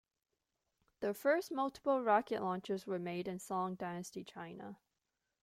The first multiple rocket launchers were made in Song dynasty China.